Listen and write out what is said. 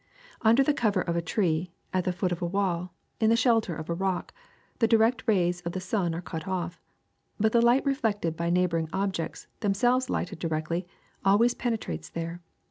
^* Under the cover of a tree, at the foot of a wall, in the shelter of a rock, the direct rays of the sun are cut off; but the light reflected by neighboring ob jects, themselves lighted directly, always penetrates there.